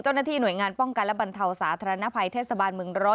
เจ้าหน้าที่หน่วยงานป้องกันและบรรเทาสาธารณภัยเทศบาลเมือง๑๐